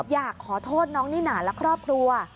อยากขอโทษน้องนิน่าและครอบครัว